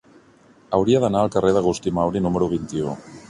Hauria d'anar al carrer d'Agustí Mauri número vint-i-u.